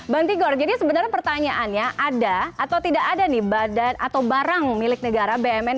bang tigor jadi sebenarnya pertanyaannya ada atau tidak ada nih barang milik negara bmn